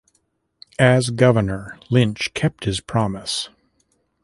As governor, Lynch kept his promise.